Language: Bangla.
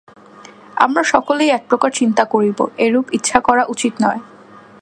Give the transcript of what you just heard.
আমরা সকলেই এক প্রকার চিন্তা করিব, এরূপ ইচ্ছা করা উচিত নয়।